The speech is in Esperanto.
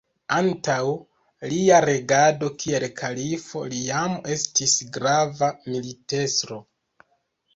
Antaŭ lia regado kiel kalifo li jam estis grava militestro.